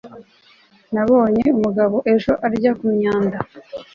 nabonye umugabo ejo arya kumyanda